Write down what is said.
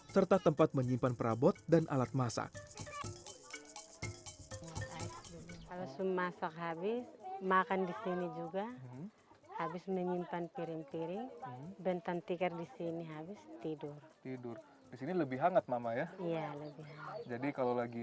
serta tempat menyimpan perabot dan alat masak